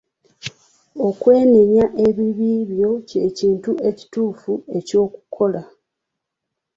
Okwenenya ebibi byo ky'ekintu ekituufu eky'okukola.